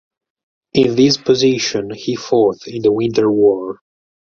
In this position he fought in the Winter War.